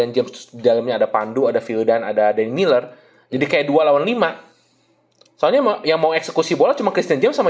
belum pernah meraih kemenangan